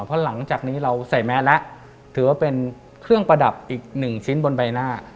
เพราะหลังจากนี้เราใส่แมสแล้วถือว่าเป็นเครื่องประดับอีกหนึ่งชิ้นบนใบหน้า